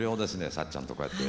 幸っちゃんとこうやって。